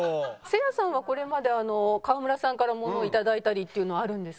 せいやさんはこれまで河村さんから物を頂いたりっていうのはあるんですか？